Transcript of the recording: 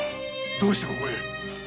どうしてここへ？